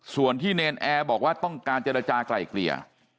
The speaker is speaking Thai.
ส่วนที่เนรนแอร์บอกว่าต้องการเจรจากลายเกลี่ย